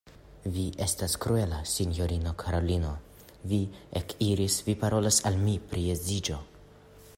Vi estas kruela, sinjorino Karolino, li ekkriis, vi parolas al mi pri edziĝo!